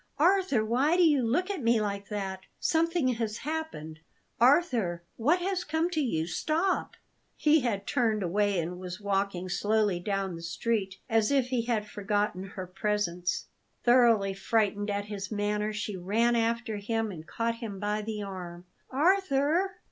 Arthur, why do you look at me like that? Something has happened! Arthur, what has come to you? Stop!" He had turned away, and was walking slowly down the street, as if he had forgotten her presence. Thoroughly frightened at his manner, she ran after him and caught him by the arm. "Arthur!"